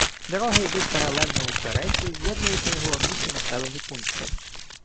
Дороги йдуть паралельно узбережжю і з'єднують найголовніші населені пункти.